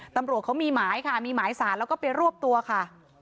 ตำรวจเขามีหมายค่ะมีหมายสารแล้วก็ไปรวบตัวค่ะ